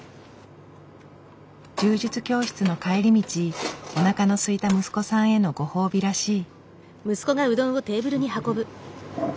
柔術教室の帰り道おなかのすいた息子さんへのご褒美らしい。